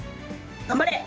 頑張れ！